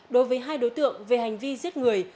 đối với hai đối tượng về hành vi giết người